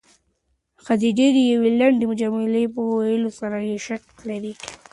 خدیجې د یوې لنډې جملې په ویلو سره د هیلې شک لیرې کړ.